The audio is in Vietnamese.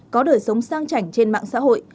có đời sống sang chảnh trên mạng xã hội